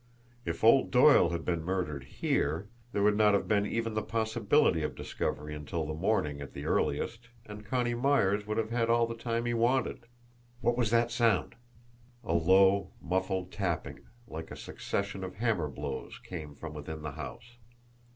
If old Doyle had been murdered HERE, there would not have been even the possibility of discovery until the morning at the earliest, and Connie Myers would have had all the time he wanted! WHAT WAS THAT SOUND! A low, muffled tapping, like a succession of hammer blows, came from within the house.